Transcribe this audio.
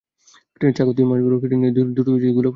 চাকু দিয়ে মাঝ বরাবর কেটে নিলেই দুটো গোলাপ হয়ে যাবে।